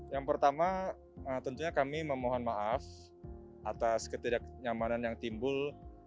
yang pertama tentunya kami memohon maaf atas ketidaknyamanan yang timbul